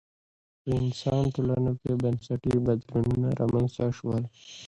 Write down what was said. په انسان ټولنو کې بنسټي بدلونونه رامنځته شول